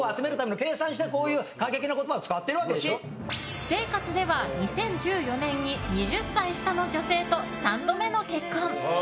私生活では２０１４年に２０歳下の女性と３度目の結婚。